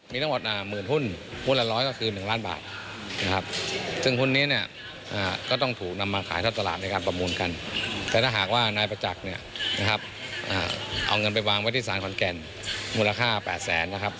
มาขายท่อตลาดแล้วเราก็จะเข้าไปช้อนซื้อ